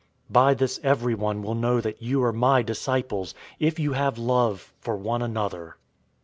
013:035 By this everyone will know that you are my disciples, if you have love for one another."